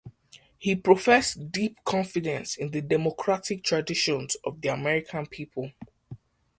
He professed deep confidence in the democratic traditions of the American people.